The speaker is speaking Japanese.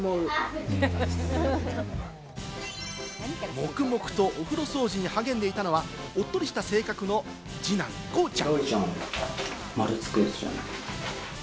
黙々とお風呂掃除に励んでいたのは、おっとりした性格の二男・こうちゃん。